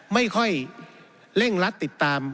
ไม่ค่อยเร่งรัดติดตาม